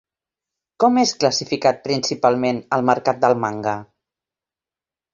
Com és classificat principalment el mercat del manga?